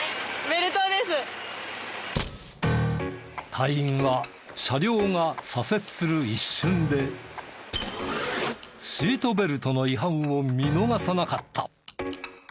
隊員は車両が左折する一瞬でシートベルトの違反を見逃さなかった！